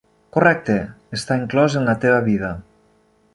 Correcte, està inclòs en la teva vida.